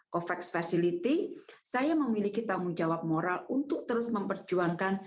covax facility saya memiliki tanggung jawab moral untuk terus memperjuangkan